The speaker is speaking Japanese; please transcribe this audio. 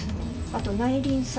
あと内輪差。